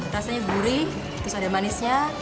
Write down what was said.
rasanya gurih terus ada manisnya